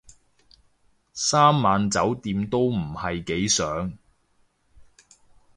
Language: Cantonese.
三晚酒店都唔係幾想